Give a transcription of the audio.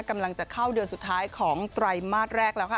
กำลังจะเข้าเดือนสุดท้ายของไตรมาสแรกแล้วค่ะ